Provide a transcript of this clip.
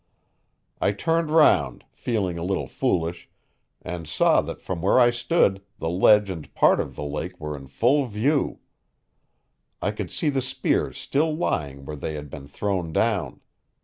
I turned round, feeling a little foolish, and saw that from where I stood the ledge and part of the lake were in full view. I could see the spears still lying where they had been thrown down.